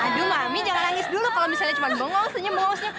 aduh mami jangan nangis dulu kalau misalnya cuma bengong senyum bengong senyum